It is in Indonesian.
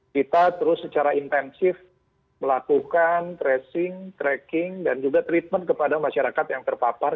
kita terus secara intensif melakukan tracing tracking dan juga treatment kepada masyarakat yang terpapar